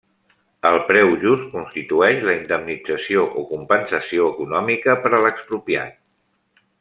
El preu just constitueix la indemnització o compensació econòmica per a l'expropiat.